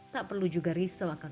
tak perlu juga risau akal akal